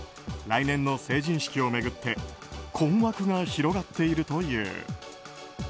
来年の成人式を巡って困惑が広がっているという。